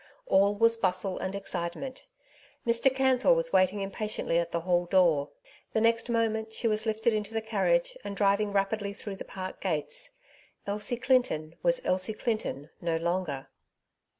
All was bustle and excitement. Mr. Canthor was waiting impatiently at the hall door. The next moment she was lifted into the carriage and driving rapidly through the park gates. Elsie Clinton was Elsie Clinton no longer.